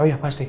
oh ya pasti